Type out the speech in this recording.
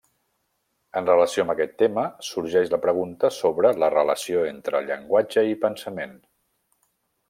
En relació amb aquest tema, sorgeix la pregunta sobre la relació entre llenguatge i pensament.